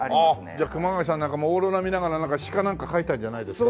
じゃあ熊谷さんなんかもオーロラ見ながら詩かなんか書いたんじゃないですか？